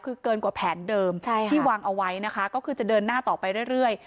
คือเกินกว่าแผนเดิมที่วางเอาไว้นะคะก็คือจะเดินหน้าต่อไปเรื่อย